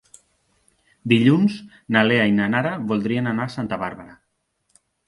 Dilluns na Lea i na Nara voldrien anar a Santa Bàrbara.